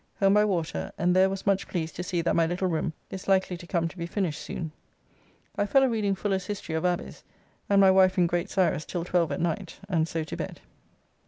Home by water, and there was much pleased to see that my little room is likely to come to be finished soon. I fell a reading Fuller's History of Abbys, and my wife in Great Cyrus till twelve at night, and so to bed.